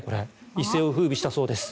一世を風靡したそうです。